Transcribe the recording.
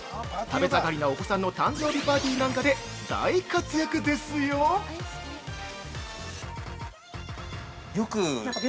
食べ盛りなお子さんの誕生日パーティーなんかで大活躍ですよ。